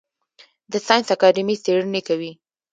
د ساینس اکاډمي څیړنې کوي؟